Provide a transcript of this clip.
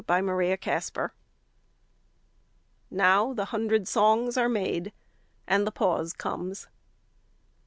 55 EPILOGUE Now the hundred songs are made, And the pause comes.